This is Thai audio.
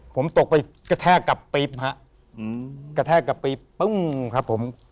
ผมตกไปกระแทกกับปี๊บฮะกระแทกกับปี๊บปึ้งครับผม